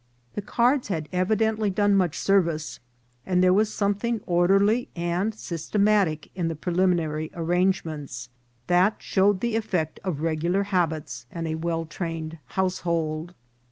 The cards had ev idently done much service, and there was something orderly and systematic in the preliminary arrangements, that showed the effect of regular habits and a well train ed household.